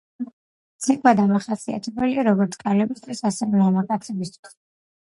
ცეკვა დამახასიათებელია როგორც ქალებისთვის, ასევე მამაკაცებისთვის.